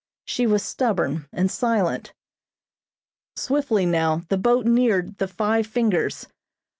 She was stubborn and silent. Swiftly now the boat neared the "Five Fingers."